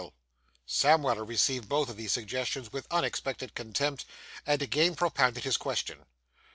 Sam Weller received both of these suggestions with unexpected contempt, and again propounded his question.